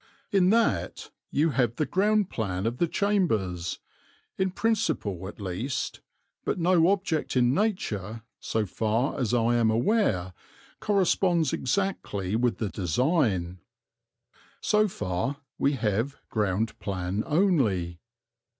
In that you have the ground plan of the chambers, in principle at least, but no object in nature, so far as I am aware, corresponds exactly with the design. So far we have ground plan only.